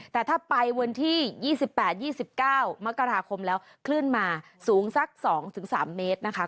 แต่ถ้าไปวันที่๒๘๒๙มกราคมแล้วคลื่นมาสูงสัก๒๓เมตรนะคะ